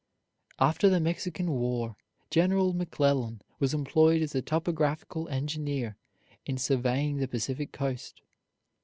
After the Mexican War General McClellan was employed as a topographical engineer in surveying the Pacific coast.